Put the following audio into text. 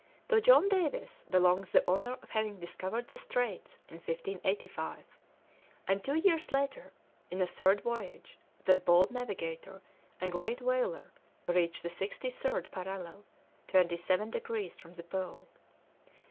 To John Davis belongs the honour of having discovered the Straits in 1585; and two years later, in a third voyage, that bold navigator and great whaler reached the sixty third parallel, twenty seven degrees from the Pole.